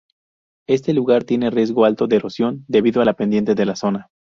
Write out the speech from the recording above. Este lugar tiene riesgo alto de erosión, debido a la pendiente de la zona.